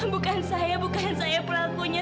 bukan saya bukan saya pelakunya